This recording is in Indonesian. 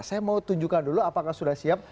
saya mau tunjukkan dulu apakah sudah siap